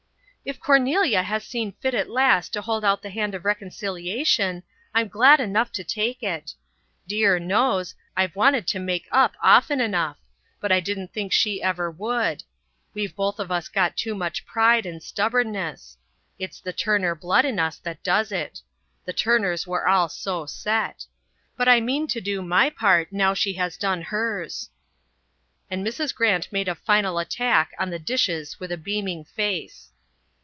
"If Cornelia has seen fit at last to hold out the hand of reconciliation I'm glad enough to take it. Dear knows, I've wanted to make up often enough, but I didn't think she ever would. We've both of us got too much pride and stubbornness. It's the Turner blood in us that does it. The Turners were all so set. But I mean to do my part now she has done hers." And Mrs. Grant made a final attack on the dishes with a beaming face.